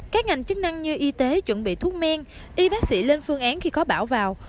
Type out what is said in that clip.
các ngành chức năng như y tế chuẩn bị thuốc men y bác sĩ lên phương án khi có bão vào